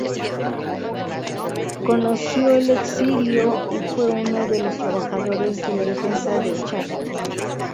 Conoció el exilio, y fue uno de los trabajadores de la defensa del Chaco.